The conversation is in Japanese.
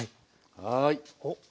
はい。